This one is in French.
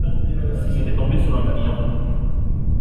Si c’était tombé sur un client !…